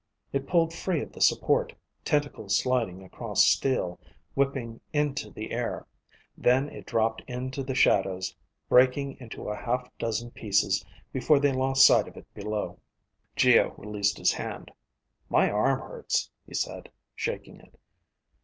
It pulled free of the support, tentacles sliding across steel, whipping into the air. Then it dropped into the shadows, breaking into a half dozen pieces before they lost sight of it below. Geo released his hand. "My arm hurts," he said, shaking it.